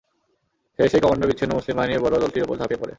সে এসেই কমান্ডার-বিচ্ছিন্ন মুসলিম বাহিনীর বড় দলটির উপর ঝাঁপিয়ে পড়ে।